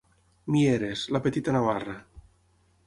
Mieres, la petita Navarra.